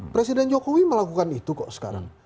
presiden jokowi melakukan itu kok sekarang